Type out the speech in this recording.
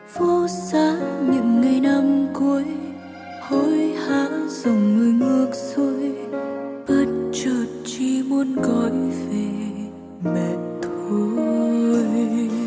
vô xa những ngày năm cuối hối hã dòng người ngược xuôi bất chợt chỉ muốn gói về mệt thôi